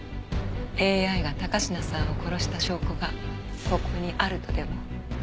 ＡＩが高階さんを殺した証拠がここにあるとでも？